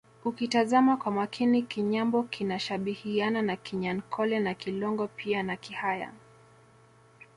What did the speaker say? Ukitazama kwa makini Kinyambo kinashabihiana na Kinyankole na Kilongo pia na Kihaya